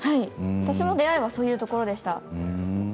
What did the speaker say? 私の出会いもそういうところでした。